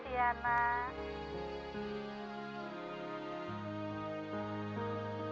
terima kasih ya ibu